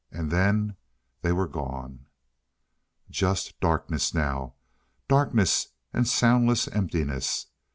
And then they were gone.... Just darkness now. Darkness and soundless emptiness.